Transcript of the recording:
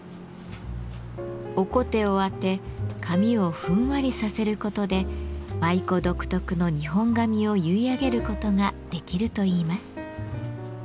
「おこて」をあて髪をふんわりさせることで舞妓独特の日本髪を結い上げることができるといいます。